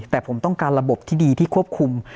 แต่ผมต้องการระบบที่ดีที่ควบคุม